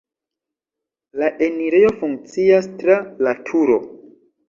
La enirejo funkcias tra laturo.